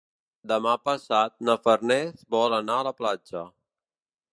Demà passat na Farners vol anar a la platja.